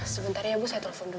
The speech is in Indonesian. sebentar ya bu saya telepon dulu